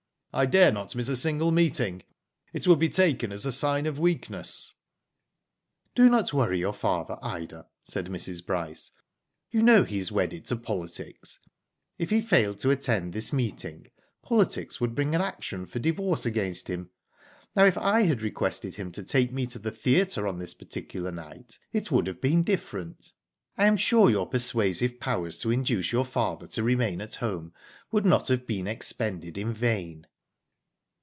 I dare not miss a single meeting. It would be taken as a sign of weakness." Do not • worry your father, Ida," said Mrs. Bryce, '*you know he is wedded to politics. If he failed to attend this meeting, " politics " would bring an action for divorce against him. Now if I had requested him to take me to the theatre on this particular night it would have been different. I am sure your persuasive powers to induce your father to remain at home would not have been expended in vain."